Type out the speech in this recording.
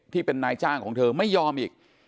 ที่เป็นนายจ้างของเธอไม่ยอมอีก